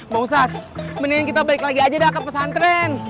mbak ustadz mendingan kita balik lagi aja dah ke pesantren